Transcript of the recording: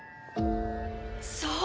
そう！